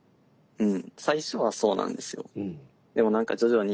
うん。